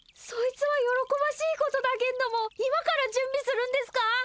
そいつは喜ばしいことだけんども今から準備するんですか？